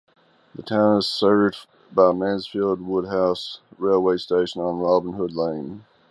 The town is served by Mansfield Woodhouse railway station, on the Robin Hood Line.